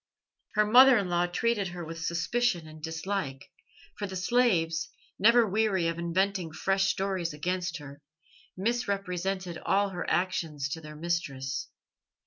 Her mother in law treated her with suspicion and dislike, for the slaves, never weary of inventing fresh stories against her, misrepresented all her actions to their mistress.